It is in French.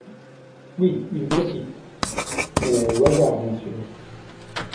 Oui, une petite. Mais au hasard bien sûr.